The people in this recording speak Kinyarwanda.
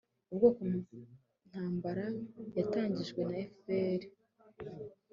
ubwoko mu ntambara yatangijwe na fpr